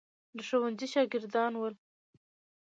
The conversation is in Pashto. د ښوونځي شاګردان ول.